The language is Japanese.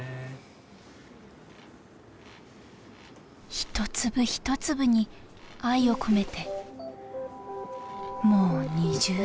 一粒一粒に愛を込めてもう２０年。